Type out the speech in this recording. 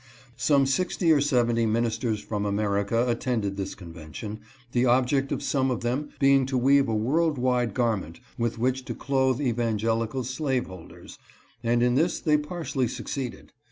Some sixty or seventy ministers from America attended this convention, the object of some of them being to weave a world wide garment with which to clothe evangelical slaveholders ; and in this they partially succeeded.